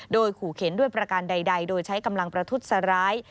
โดยขู่เข็นด้วยประการใดโดยใช้กำลังประทุษร้าย